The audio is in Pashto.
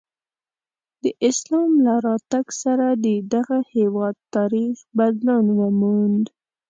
د اسلام له راتګ سره د دغه هېواد تاریخ بدلون وموند.